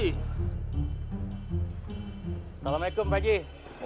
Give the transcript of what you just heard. assalamu'alaikum pak ajie